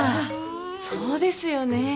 そうですよね。